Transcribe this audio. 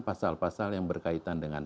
pasal pasal yang berkaitan dengan